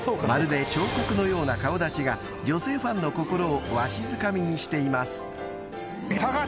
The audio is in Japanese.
［まるで彫刻のような顔立ちが女性ファンの心をわしづかみにしています］